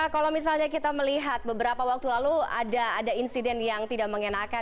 kalau misalnya kita melihat beberapa waktu lalu ada insiden yang tidak mengenakan